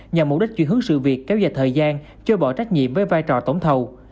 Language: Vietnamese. nhằm mục đích chuyển hướng sự việc kéo dài thời gian cho bỏ trách nhiệm với vai trò tổng thầu